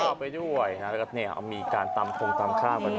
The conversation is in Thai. เกี่ยวข้าวไปด้วยแล้วก็เนี่ยมีการตำทงตำข้าวไปด้วย